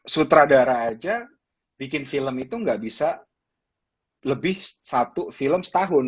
sutradara aja bikin film itu nggak bisa lebih satu film setahun